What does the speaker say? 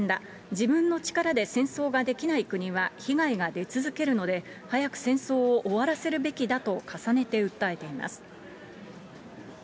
自分の力で戦争ができない国は被害が出続けるので、早く戦争を終わらせるべきだと重ねて訴えています。